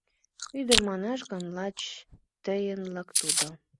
Ӱдыр, манаш гын, лач тыйынлык тудо.